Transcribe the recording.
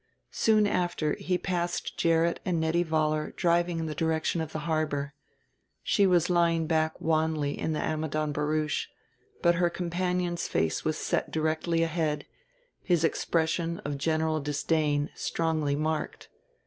Soon after he passed Gerrit and Nettie Vollar driving in the direction of the harbor; she was lying back wanly in the Ammidon barouche, but her companion's face was set directly ahead, his expression of general disdain strongly marked.